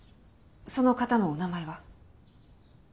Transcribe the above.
その方のお名前は？